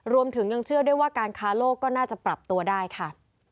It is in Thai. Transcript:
รวมถึงยังเชื่อด้วยว่าการค้าโลกก็น่าจะปรับตัวได้ค่ะ